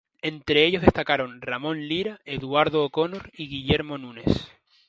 Entre ellos destacaron Ramón Lira, Eduardo O'Connor y Guillermo Nunes.